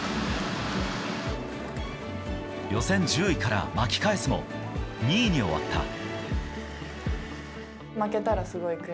予選１０位から巻き返すも２位に終わった。